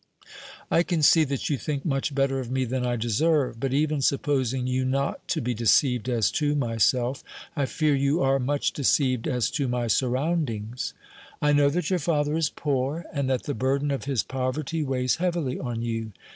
"I can see that you think much better of me than I deserve; but even supposing you not to be deceived as to myself, I fear you are much deceived as to my surroundings." "I know that your father is poor, and that the burden of his poverty weighs heavily on you.